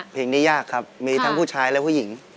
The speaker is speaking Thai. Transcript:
เพลงนี้ยากครับมีทั้งผู้ชายและผู้หญิง